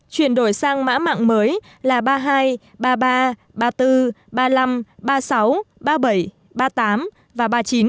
chuyển đổi sang mã mạng mới là ba mươi hai ba mươi ba ba mươi bốn ba mươi năm ba mươi sáu ba mươi bảy ba mươi tám và ba mươi chín